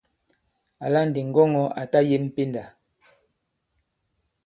Àla ndi ŋgɔŋɔ̄ à ta yem pendà.